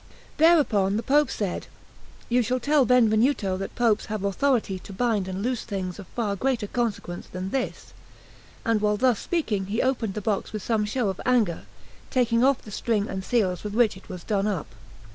Thereupon the Pope said: "You shall tell Benvenuto that Popes have authority to bind and loose things of far greater consequence than this;" and while thus speaking he opened the box with some show of anger, taking off the string and seals with which it was done up.